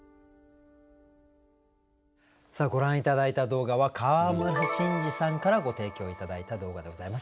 さあご覧頂いた動画は川村伸司さんからご提供頂いた動画でございます。